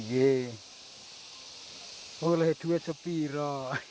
boleh duit sepira